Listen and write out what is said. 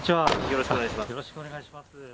よろしくお願いします。